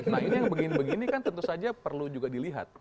nah ini yang begini begini kan tentu saja perlu juga dilihat